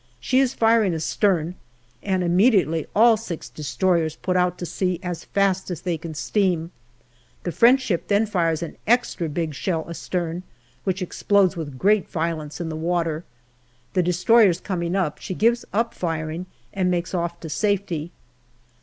She is firing astern, and immediately all six destroyers put out to sea as fast as they can steam ; the French ship then fires an extra big shell astern, which explodes with great violence in the water ; the destroyers coming up, she gives up firing and makes off to safety.